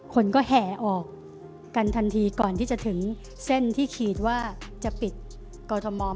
คนก็แห่ออกกันทันทีก่อนที่จะถึงเส้นที่ขีดว่าจะปิดกอทม